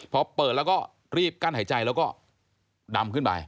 พอเปิดแล้วก็รีบกั้นหายใจแล้วก็ดำขึ้นไป